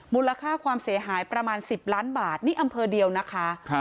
มูลค่าความเสียหายประมาณ๑๐ล้านบาทนี่อำเภอเดียวนะคะ